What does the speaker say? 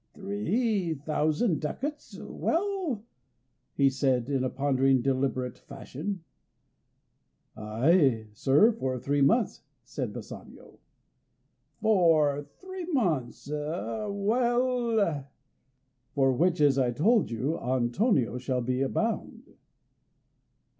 "Three thousand ducats; well?" he said in a pondering, deliberate fashion. "Ay, sir, for three months," said Bassanio. "For three months; well?" "For the which, as I told you, Antonio shall be bound."